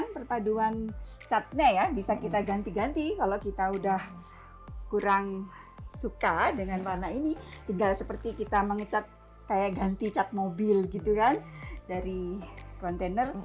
perpaduan catnya ya bisa kita ganti ganti kalau kita udah kurang suka dengan warna ini tinggal seperti kita mengecat kayak ganti cat mobil gitu kan dari kontainer